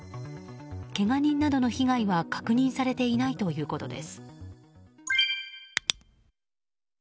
けが人などの被害は確認されていないということです。